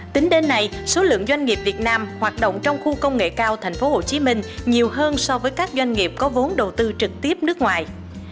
tính đến nay số lượng doanh nghiệp việt nam hoạt động trong khu công nghệ cao tp hcm nhiều hơn so với các doanh nghiệp có vốn đầu tư trực tiếp nước ngoài